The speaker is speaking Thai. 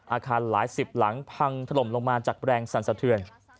อาคารหลายสิบหลังพังถล่มลงมาจากแรงสั่นสะเทือน